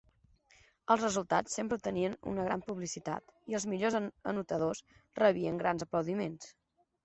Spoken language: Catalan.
Els resultats sempre obtenien una gran publicitat i els millors anotadors rebien grans aplaudiments.